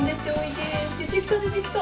でてきたでてきた。